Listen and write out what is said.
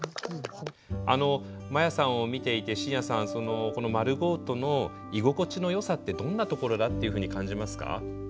まやさんを見ていて晋哉さんこのｍａｒｕｇｏ−ｔｏの居心地のよさってどんなところだっていうふうに感じますか？